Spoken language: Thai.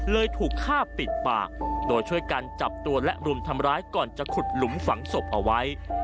ถูกฆ่าปิดปากโดยช่วยกันจับตัวและรุมทำร้ายก่อนจะขุดหลุมฝังศพเอาไว้